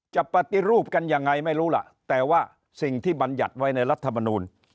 ปฏิรูปกันยังไงไม่รู้ล่ะแต่ว่าสิ่งที่บรรยัติไว้ในรัฐมนูล